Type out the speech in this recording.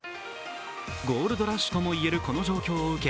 ゴールドラッシュとも言えるこの状況を受け